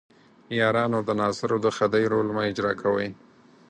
یارانو د ناصرو د خدۍ رول مه اجراء کوئ.